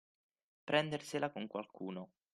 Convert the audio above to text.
Prendersela con qualcuno.